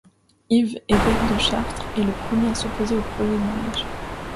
Yves, évêque de Chartres, est le premier à s'opposer au projet de mariage.